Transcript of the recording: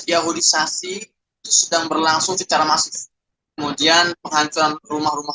yahudisasi itu sedang berlangsung secara masif kemudian penghancuran rumah rumah